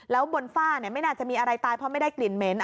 แล้วบนฝ้าไม่น่าจะมีอะไรตายเพราะไม่ได้กลิ่นเหม็น